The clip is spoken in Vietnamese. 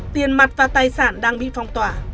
tiền mặt và tài sản đang bị phong tỏa